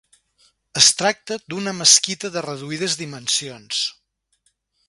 Es tracta d'una mesquita de reduïdes dimensions.